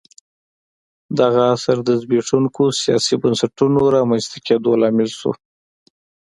دغه عصر د زبېښونکو سیاسي بنسټونو رامنځته کېدو لامل شو